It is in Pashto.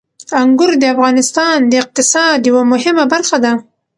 انګور د افغانستان د اقتصاد یوه مهمه برخه ده.